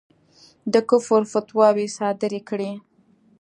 د کُفر فتواوې صادري کړې.